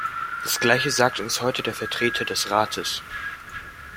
Das gleiche sagte uns heute der Vertreter des Rates.